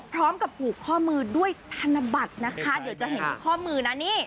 พร้อมกับผูกข้อมือด้วยธนบัตรนะคะเดี๋ยวจะเห็นที่ข้อมือนะนี่